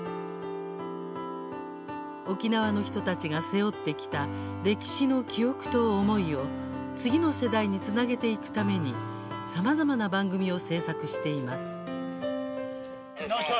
沖縄の人たちが背負ってきた歴史の記憶と思いを次の世代につなげていくためにさまざまな番組を制作しています。